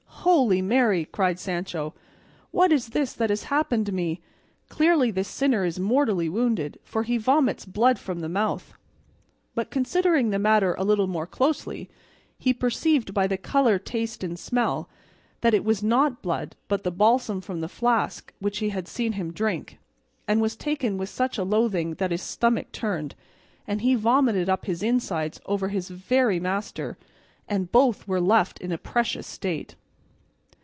"Holy Mary!" cried Sancho, "what is this that has happened me? Clearly this sinner is mortally wounded, as he vomits blood from the mouth;" but considering the matter a little more closely he perceived by the colour, taste, and smell, that it was not blood but the balsam from the flask which he had seen him drink; and he was taken with such a loathing that his stomach turned, and he vomited up his inside over his very master, and both were left in a precious state.